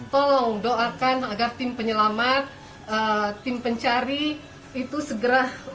tolong doakan agar tim penyelamat tim pencari itu segera